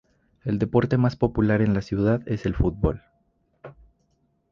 El deporte más popular en la ciudad es el fútbol.